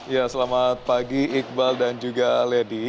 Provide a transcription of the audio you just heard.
ya selamat pagi iqbal dan juga lady